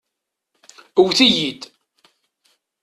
Ewwet-iyi-d.